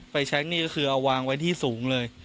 แช็คนี่ก็คือเอาวางไว้ที่สูงเลย